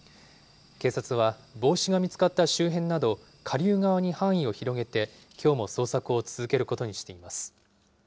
警察は帽子が見つかった周辺など、下流側に範囲を広げて、きょうも捜索を続けることにしています。